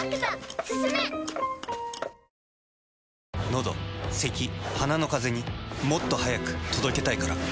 のどせき鼻のカゼにもっと速く届けたいから。